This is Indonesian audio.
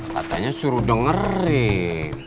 katanya suruh dengerin